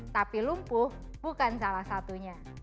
tapi lumpuh bukan salah satunya